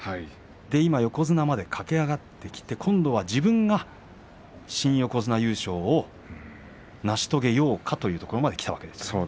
今、横綱まで駆け上がってきて今度は自分が新横綱優勝を成し遂げようかというところまできたわけです。